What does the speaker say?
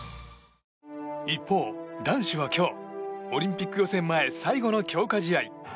一方、男子は今日オリンピック予選前最後の強化試合。